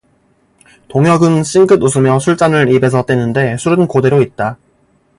동혁은 씽긋 웃으며 술잔을 입에서 떼는데 술은 고대로 있다.